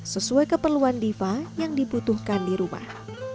sesuai keperluan diva yang dibutuhkan di rumah